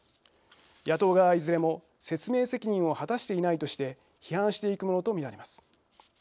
野党側は、いずれも説明責任を果たしていないとして批判していくものとみられます。